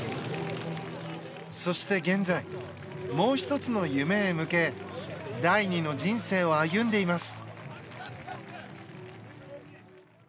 そして現在もう１つの夢ヘ向け第２の人生を歩んでいます。